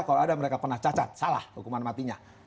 kalau ada mereka pernah cacat salah hukuman matinya